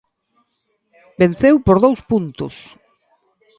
Venceu por dous puntos.